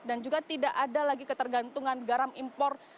dan juga tidak ada lagi ketergantungan garam impor